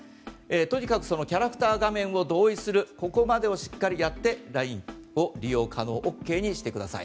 とにかくそのキャラクター画面を同意するここまでをしっかりやってＬＩＮＥを利用可能ＯＫにしてください。